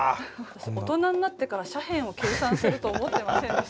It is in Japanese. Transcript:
大人になってから斜辺を計算すると思ってませんでした。